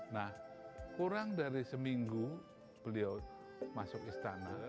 nah kurang dari seminggu beliau masuk istana